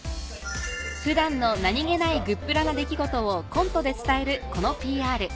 普段の何気ないグップラな出来事をコントで伝えるこのＰＲ